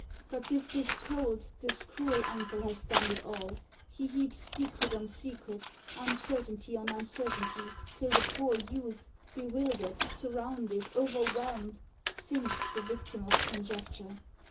But 'tis this cold, this cruel uncle has done it all. He heaps secret on secret, uncertainty on uncertainty, till the poor youth, bewildered, surrounded, overwhelmed, sinks the victim of conjecture.